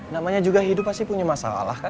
namanya juga hidup pasti punya masalah kan